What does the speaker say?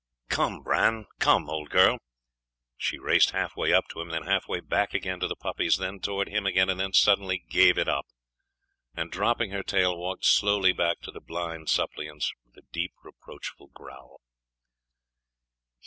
'Come, Bran! Come, old girl!' She raced halfway up to him; then halfway back again to the puppies; then towards him again: and then suddenly gave it up, and dropping her tail, walked slowly back to the blind suppliants, with a deep reproachful growl.